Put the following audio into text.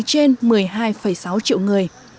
trên một mươi hai sáu triệu người